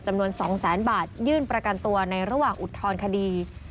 จำนวน๒แสนบาทยื่นประกันตัวในระหว่างอุทธรณคดี